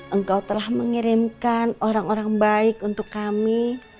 engkau telah mengirimkan orang orang baik untuk kami